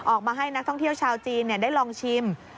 ออกมาให้นักท่องเที่ยวชาวจีนได้ลองชิม